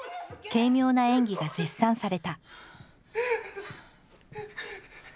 軽妙な演技が絶賛された。